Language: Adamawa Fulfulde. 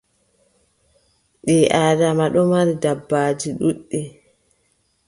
Ɓii Aadama ɗon mari dabbaaji ɗuuɗɗi.